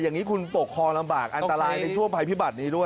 อย่างนี้คุณปกครองลำบากอันตรายในช่วงภัยพิบัตินี้ด้วย